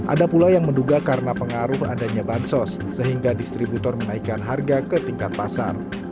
ada pula yang menduga karena pengaruh adanya bansos sehingga distributor menaikkan harga ke tingkat pasar